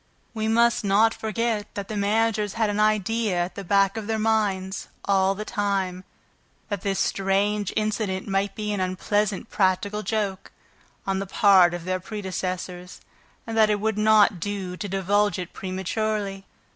We must not forget that the managers had an idea at the back of their minds, all the time, that this strange incident might be an unpleasant practical joke on the part of their predecessors and that it would not do to divulge it prematurely.